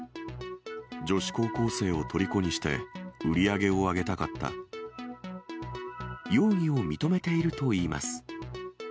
女子高校生をとりこにして、容疑を認めているといいます。